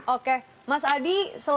oke mas adi